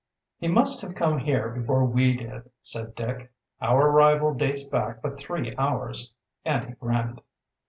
"He must have come here before we did," said Dick. "Our arrival dates back but three hours," and he grinned.